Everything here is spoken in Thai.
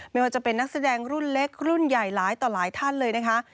ไม่ว่าจะเป็นนักแสดงรุ่นเล็กรุ่นใหญ่หลายต่อหลายท่านเลยนะคะ